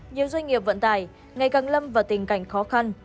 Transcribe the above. nhiều doanh nghiệp vận tải ngày càng lâm vào tình cảnh khó khăn